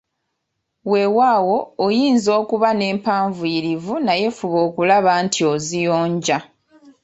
Weewaawo oyinza okuba nempanvuyirivu naye fuba okulaba nti oziyonja